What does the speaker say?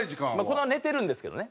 子どもは寝てるんですけどね。